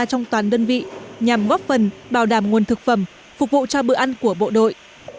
trong toàn đơn vị nhằm góp phần bảo đảm nguồn thực phẩm phục vụ cho bữa ăn của bộ đội